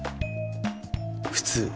普通。